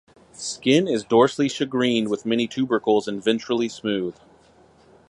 Skin is dorsally shagreened with many tubercles and ventrally smooth.